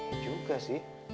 ya juga sih